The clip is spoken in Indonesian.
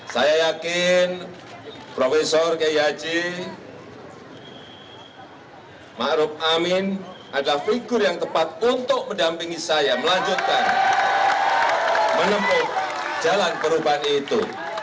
saya yakin prof k yaji ma'ruf amin adalah figur yang tepat untuk mendampingi saya melanjutkan menempuh jalan perubahan itu